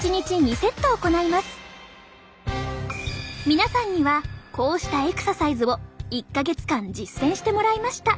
皆さんにはこうしたエクササイズを１か月間実践してもらいました。